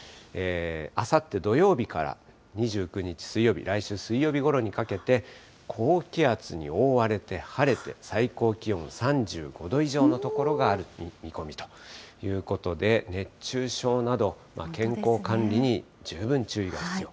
あさって土曜日から、２９日水曜日、来週水曜日ごろにかけて、高気圧に覆われて晴れて、最高気温３５度以上の所がある見込みということで、熱中症など、健康管理に十分注意が必要。